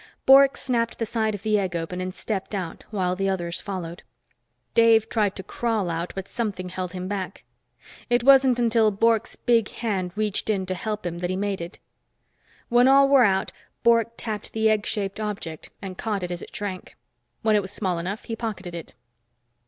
Bork snapped the side of the egg open and stepped out while the others followed. Dave tried to crawl out, but something held him back. It wasn't until Bork's big hand reached in to help him that he made it. When all were out, Bork tapped the egg shaped object and caught it as it shrank. When it was small enough, he pocketed it.